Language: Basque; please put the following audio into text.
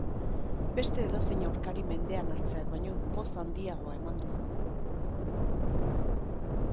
Beste edozein aurkari mendean hartzeak baino poz handiagoa eman du.